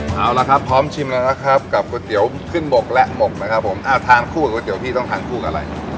เอาละครับพร้อมชิมแล้วนะครับกับก๋วยเตี๋ยวขึ้นบกและหมกนะครับผมทานคู่กับก๋วพี่ต้องทานคู่กับอะไร